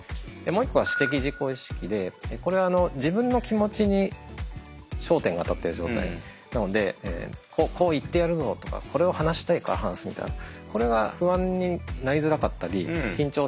もう一個は私的自己意識でこれは自分の気持ちに焦点が当たってる状態なのでこう言ってやるぞとかこれを話したいから話すみたいなこれは不安になりづらかったり緊張しづらいってことが分かっています。